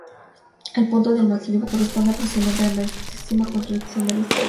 El punto de máximo brillo corresponde aproximadamente a la máxima contracción de la estrella.